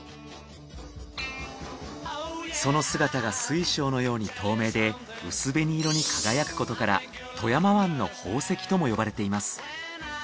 その姿が水晶のように透明で薄紅色に輝くことから富山湾の宝石とも呼ばれています。